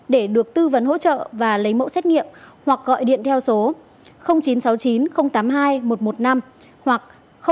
để được tư vấn hỗ trợ và lấy mẫu xét nghiệm hoặc gọi điện theo số chín trăm sáu mươi chín tám mươi hai một trăm một mươi năm hoặc chín trăm bốn mươi chín ba trăm chín mươi sáu một trăm một mươi năm